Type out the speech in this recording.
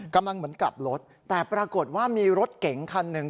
กำลังเหมือนกลับรถแต่ปรากฏว่ามีรถเก๋งคันหนึ่ง